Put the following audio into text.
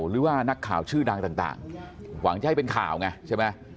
หรือว่านักข่าวชื่อดังต่างหวังจะให้เป็นข่าวไงใช่ไหม